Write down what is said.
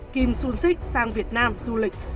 kim xuân xích sang việt nam du lịch